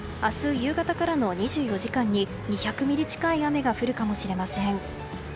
夕方からの２４時間に２００ミリ近い雨が降るかもしれません。